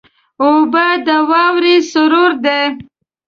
اوبه د واورې سرور دي.